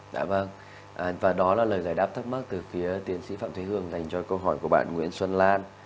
đã vâng và đó là lời giải đáp thắc mắc từ phía tuyến sĩ phạm thúy hương dành cho câu hỏi của bạn nguyễn xuân lan